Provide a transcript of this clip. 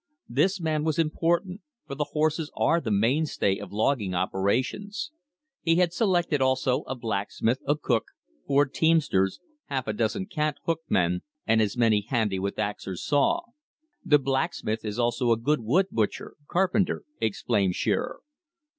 This man was important, for the horses are the mainstay of logging operations. He had selected also, a blacksmith, a cook, four teamsters, half a dozen cant hook men, and as many handy with ax or saw. "The blacksmith is also a good wood butcher (carpenter)," explained Shearer.